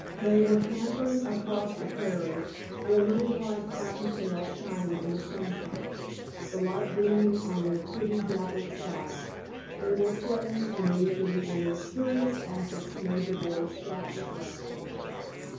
They were cantering across the prairie, their little white cotton tails shining in the sunshine, the light gleaming on their pretty dappled sides. They were playing and leaping, and their curious antics made the boys shout with laughter.